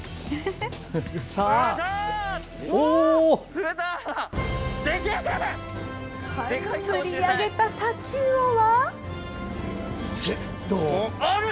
釣り上げたタチウオは。